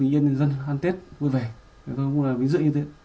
để tốt nhiệm vụ để tốt nhiệm vụ